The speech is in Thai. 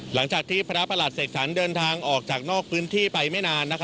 หลังจากที่พระประหลัดเสกสรรเดินทางออกจากนอกพื้นที่ไปไม่นาน